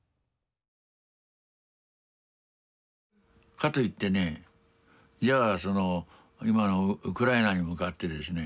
かといってねじゃあその今のウクライナに向かってですね